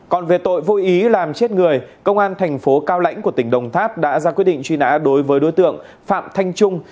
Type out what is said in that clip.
còn về tội vô ý làm chết người công an thành phố cao lãnh của tỉnh đồng tháp đã ra quyết định truy nã đối với đối tượng phạm thanh trung